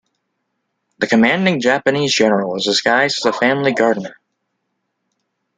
The commanding Japanese general was disguised as a family gardener.